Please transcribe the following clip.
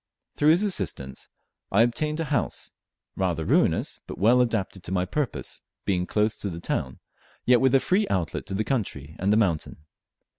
Through his assistance I obtained a house; rather ruinous, but well adapted to my purpose, being close to the town, yet with a free outlet to the country and the mountain.